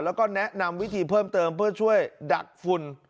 แล้วก็แนะนำวิธีเพิ่มเติมเพื่อช่วยดักฝุ่น